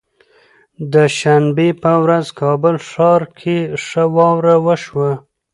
د شنبه به ورځ کابل ښار کې ښه واوره وشوه